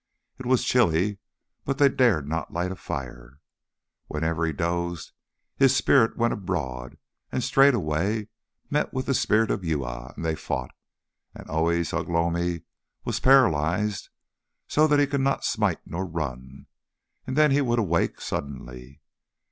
It was chilly, but they dared not light a fire. Whenever he dozed, his spirit went abroad, and straightway met with the spirit of Uya, and they fought. And always Ugh lomi was paralysed so that he could not smite nor run, and then he would awake suddenly.